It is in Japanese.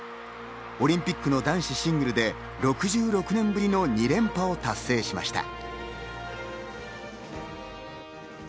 オリンピックの男子シングルで６６年ぶりの２連覇を達成しました。